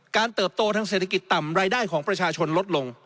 เติบโตทางเศรษฐกิจต่ำรายได้ของประชาชนลดลง